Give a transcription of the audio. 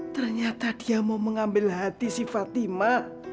ternyata dia mau mengambil hati si fatima